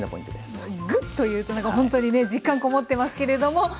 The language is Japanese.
グッというとなんかほんとにね実感籠もってますけれども。